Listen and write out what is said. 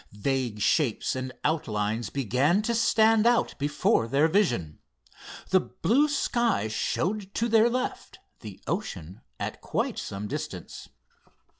Vague shapes and outlines began to stand out before their vision. The blue sky showed to their left, the ocean at quite some distance.